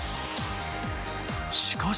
しかし。